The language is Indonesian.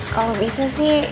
kalau bisa sih